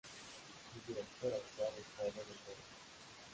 Su director actual es Paolo De Paola.